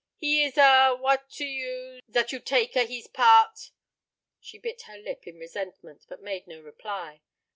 "He is a what to you, zat you take a hees part?" She bit her lip in resentment, but made no reply.